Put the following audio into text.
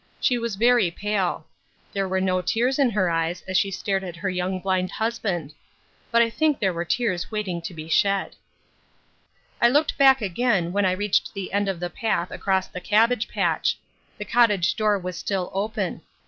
She was very pale. There were no tears in her eyes as she stared at her young blind husband. But I think there were tears waiting to be shed. I looked back again when I reached the end of the path across the cabbage patch. The cottage door was still open.